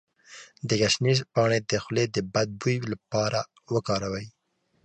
د ګشنیز پاڼې د خولې د بد بوی لپاره وکاروئ